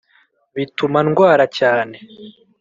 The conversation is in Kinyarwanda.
bituma ndwara cyane